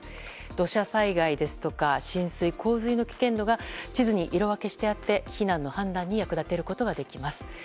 土砂災害ですとか浸水・洪水の危険度が地図に色分けしてあって避難の判断に役立てられます。